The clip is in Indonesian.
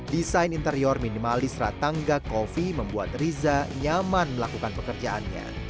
desain interior minimalis ratangga coffee membuat riza nyaman melakukan pekerjaannya